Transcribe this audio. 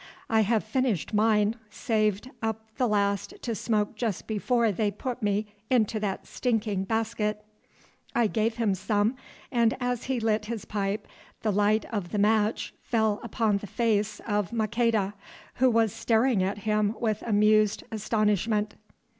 "I have finished mine, saved up the last to smoke just before they put me into that stinking basket." I gave him some, and as he lit his pipe the light of the match fell upon the face of Maqueda, who was staring at him with amused astonishment.